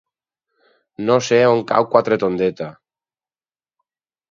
No sé on cau Quatretondeta.